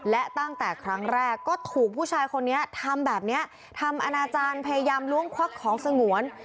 และตั้งแต่ครั้งแรกก็ถูกผู้ชายคนนี้ทำแบบนี้ทำอนาจารย์พยายามล้วงควักของสงวน